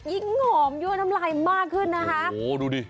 ยิ่งหอมยั่วน้ำลายมากขึ้นนะคะโอ้โหดูดิ